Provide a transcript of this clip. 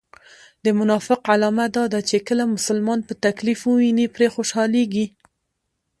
د منافق علامه دا ده چې کله مسلمان په تکليف و ويني پرې خوشحاليږي